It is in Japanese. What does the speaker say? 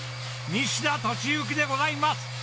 西田敏行でございます。